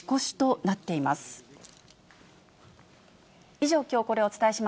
以上、きょうコレをお伝えし